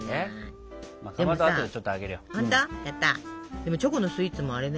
でもチョコのスイーツもあれね